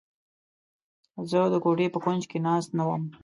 زه د کوټې په کونج کې ناست نه وم.